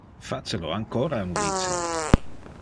Face lo ancora un vice!